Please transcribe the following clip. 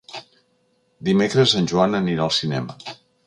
Dimecres en Joan anirà al cinema.